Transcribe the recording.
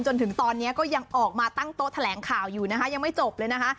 จนถึงตอนนี้ก็ยังออกมาตั้งโต๊ะแถลงข่าวอยู่นะคะยังไม่จบเลยนะคะ